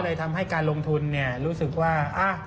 ทำให้การลงทุนรู้สึกว่า